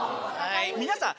皆さん